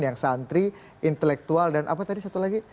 yang santri intelektual dan apa tadi satu lagi